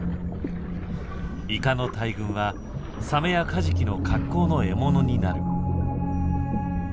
イカの大群はサメやカジキの格好の獲物になる。